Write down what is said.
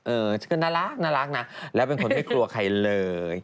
เออฉันก็น่ารักนะแล้วเป็นคนไม่กลัวใครเลย